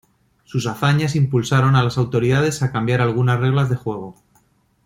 Sus hazañas impulsaron a las autoridades a cambiar algunas reglas de juego.